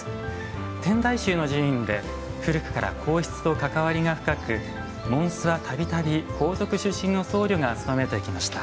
天台宗の寺院で古くから皇室と関わりが深く門主はたびたび皇族出身の僧侶が務めてきました。